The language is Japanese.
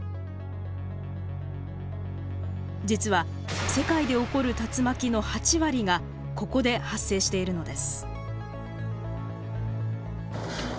実は世界で起こる竜巻の８割がここで発生しているのです。